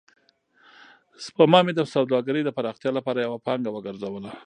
سپما مې د سوداګرۍ د پراختیا لپاره یوه پانګه وګرځوله.